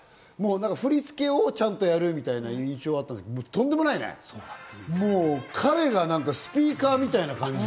振り付けをちゃんとやるって印象があったんだけど、とんでもないね、彼がスピーカーみたいな感じで。